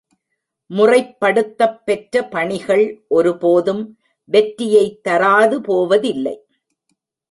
முறைப்படுத்தப் பெற்ற பணிகள் ஒரு போதும் வெற்றியைத் தராது போவதில்லை.